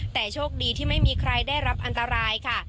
แต่โชคดีที่ไม่มีใครได้รับอันตรายค่ะ